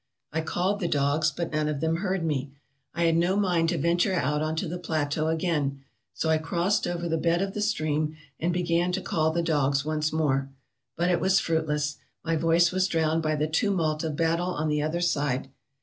I called the dogs, but none of them heard me. I had no mind to venture out on to the plateau again, so I crossed over the bed of the stream, and began to call the dogs once more. But it was fruitless; my voice was drowned by the tumult of battle on the other side.